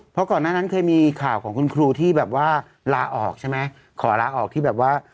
เพราะก่อนหน้านั้นเคยมีข่าวของคุณครูที่แบบว่าลาออกใช่ไหมขอลาออกที่แบบว่า